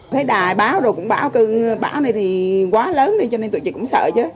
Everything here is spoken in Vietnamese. thấy đài báo rồi cũng báo báo này thì quá lớn cho nên tụi chị cũng sợ chứ